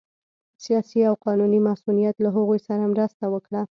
سیاسي او قانوني مصونیت له هغوی سره مرسته وکړه